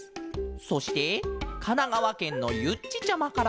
そしてかながわけんのゆっちちゃまからも。